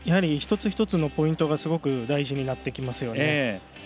一つ一つのポイントがすごく大事になってきますよね。